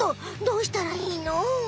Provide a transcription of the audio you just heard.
どうしたらいいの？